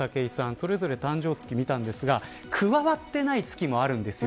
それぞれ誕生月みたんですが加わってない月もあるんですよ。